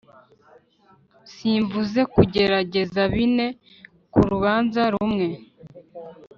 simvuze kugerageza bine kurubanza rumwe